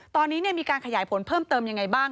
ตอนนี้มีการขยายผลเพิ่มเติมยังไงบ้าง